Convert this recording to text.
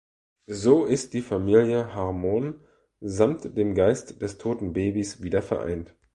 So ist die Familie Harmon samt dem Geist des toten Babys wieder vereint.